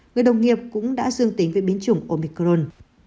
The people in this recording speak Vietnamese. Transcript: người đồng nghiệp cũng đã dương tính với biến chủng omicron